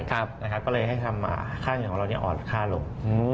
ก็เลยให้ค่าเงินของเราอ่อนค่าลง